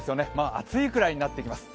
暑いくらいになってきます。